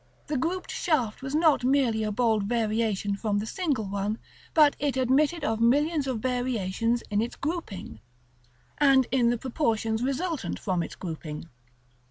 The grouped shaft was not merely a bold variation from the single one, but it admitted of millions of variations in its grouping, and in the proportions resultant from its grouping.